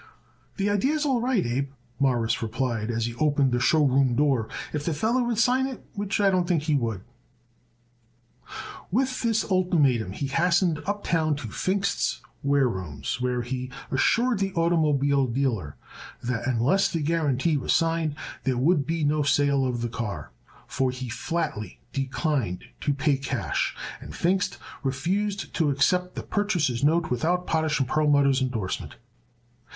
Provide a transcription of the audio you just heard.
"The idee is all right, Abe," Morris replied as he opened the show room door, "if the feller would sign it, which I don't think he would." With this ultimatum he hastened uptown to Pfingst's warerooms, where he assured the automobile dealer that unless the guarantee was signed, there would be no sale of the car, for he flatly declined to pay cash and Pfingst refused to accept the purchaser's note without Potash & Perlmutter's indorsement.